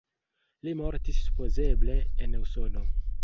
Li mortis supozeble en Usono.